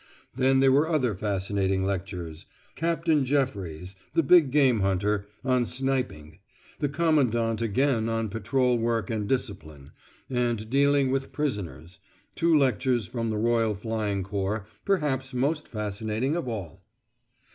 Then there were other fascinating lectures Captain Jefferies, the big game hunter, on Sniping: the Commandant again on Patrol work and discipline, and Dealing with prisoners: two lectures from the Royal Flying Corps, perhaps most fascinating of all.